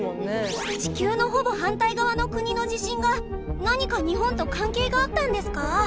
地球のほぼ反対側の国の地震が何か日本と関係があったんですか？